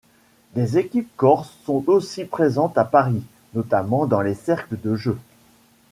Des équipes corses sont aussi présentes à Paris, notamment dans les cercles de jeu.